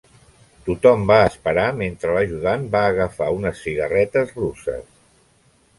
Tothom va esperar mentre l'ajudant va agafar unes cigarretes russes.